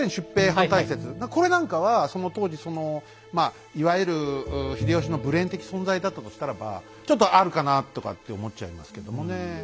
これなんかは当時そのいわゆる秀吉のブレーン的存在だったとしたらばちょっとあるかなとかって思っちゃいますけどもね。